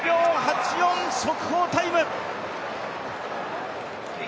９秒８４速報タイム。